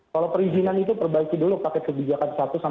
kalau perizinan itu perbaiki dulu paket kebijakan satu sampai enam belas